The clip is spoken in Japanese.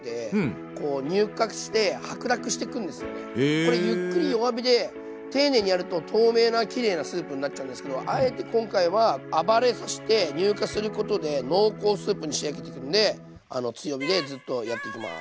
これゆっくり弱火で丁寧にやると透明なきれいなスープになっちゃうんですけどあえて今回は暴れさして乳化することで濃厚スープに仕上げていくんで強火でずっとやっていきます。